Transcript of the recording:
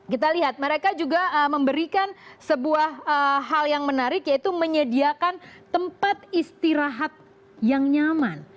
kita lihat mereka juga memberikan sebuah hal yang menarik yaitu menyediakan tempat istirahat yang nyaman